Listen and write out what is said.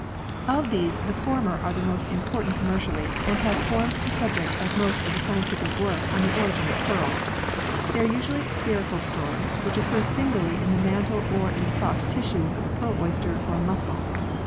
Of these, the former are the most important com mercially, and have formed the subject of most of the scientific work on the origin of pearls. They are usually spherical pearls which occur singly in the mantle or in the soft tissues of the pearl oyster or mussel.